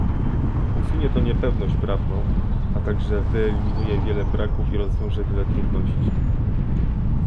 Usunie to niepewność prawną, a także wyeliminuje wiele braków i rozwiąże wiele trudności